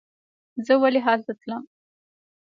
زه ولې هلته تلم.